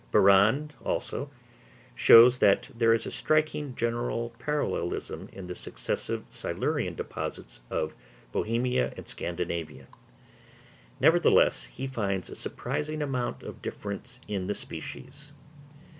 Barrande, also, shows that there is a striking general parallelism in the successive Silurian deposits of Bohemia and Scandinavia; nevertheless he finds a surprising amount of difference in the species.